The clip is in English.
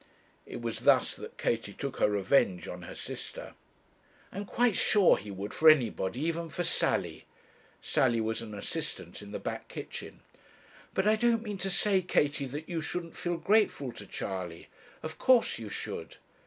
It was thus that Katie took her revenge on her sister. 'I'm quite sure he would for anybody, even for Sally.' Sally was an assistant in the back kitchen. 'But I don't mean to say, Katie, that you shouldn't feel grateful to Charley; of course you should.'